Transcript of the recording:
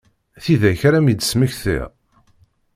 Tidak ara m-id-smektiɣ.